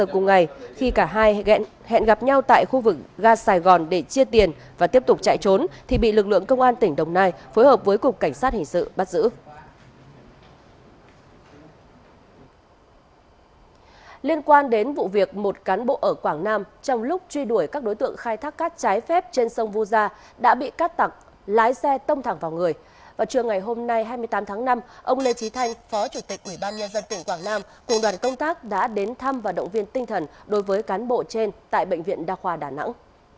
cùng đoàn công tác đã đến thăm và động viên tinh thần đối với cán bộ trên tại bệnh viện đa khoa đà nẵng